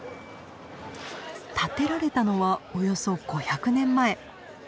建てられたのはおよそ５００年前。